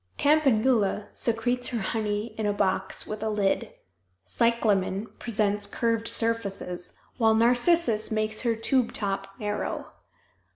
Campanula secretes her honey in a box with a lid. Cyclamen presents curved surfaces, while narcissus makes her tube top narrow.